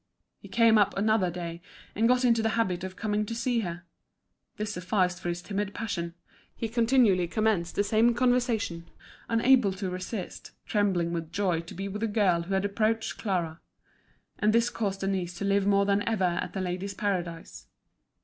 He came up another day, and got into the habit of coming to see her. This sufficed for his timid passion; he continually commenced the same conversation, unable to resist, trembling with joy to be with a girl who had approached Clara. And this caused Denise to live more than ever at The Ladies' Paradise.